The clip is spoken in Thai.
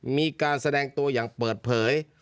มีการแสดงตัวอย่างเปิดเผย